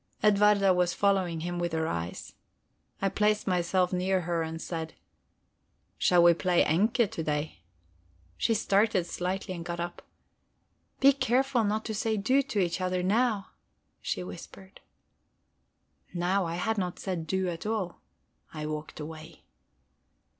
Edwarda was following him with her eyes. I placed myself near her, and said: "Shall we play 'Enke' to day?" She started slightly, and got up. "Be careful not to say 'Du' to each other now," she whispered. Now I had not said "Du" at all. I walked away.